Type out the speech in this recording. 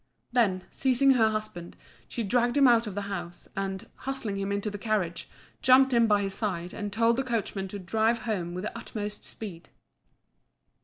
Then, seizing her husband, she dragged him out of the house, and, hustling him into the carriage, jumped in by his side and told the coachman to drive home with the utmost speed.